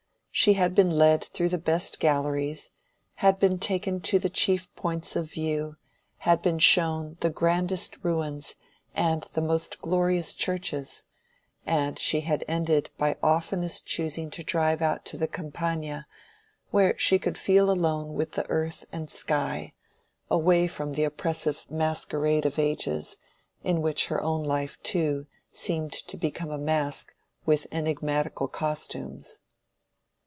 She had been led through the best galleries, had been taken to the chief points of view, had been shown the grandest ruins and the most glorious churches, and she had ended by oftenest choosing to drive out to the Campagna where she could feel alone with the earth and sky, away from the oppressive masquerade of ages, in which her own life too seemed to become a masque with enigmatical costumes.